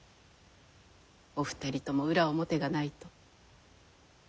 お二人とも裏表がないと。